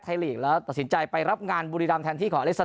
ไทยลีกแล้วตัดสินใจไปรับงานบูริรัมแทนที่ของเอเลซัน